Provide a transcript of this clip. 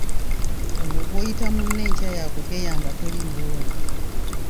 Oyo gw’oyita munno enkya y’akugeya nga toliiwo.